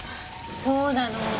そうなの。